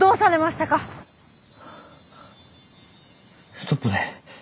ストップで。